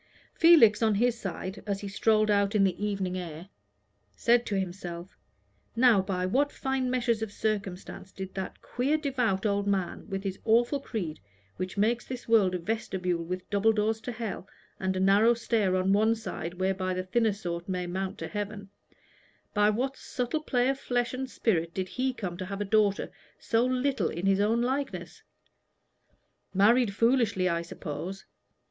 Felix, on his side, as he strolled out in the evening air, said to himself: "Now by what fine meshes of circumstance did that queer devout old man, with his awful creed, which makes this world a vestibule with double doors to hell, and a narrow stair on one side whereby the thinner sort may mount to heaven by what subtle play of flesh and spirit did he come to have a daughter so little in his own likeness? Married foolishly, I suppose.